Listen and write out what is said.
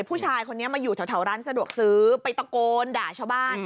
ผู้ชายคนนี้มาอยู่แถวร้านสะดวกซื้อไปตะโกนด่าชาวบ้าน